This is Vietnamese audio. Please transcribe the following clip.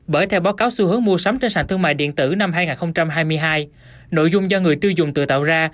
bởi theo báo cáo xu hướng mua sắm trên sàn thương mại điện tử năm hai nghìn hai mươi hai nội dung do người tiêu dùng tự tạo ra